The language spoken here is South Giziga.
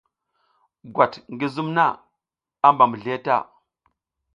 Gwat ngi zum na, a mba mizliye ta.